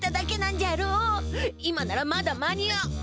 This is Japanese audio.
今ならまだ間に合。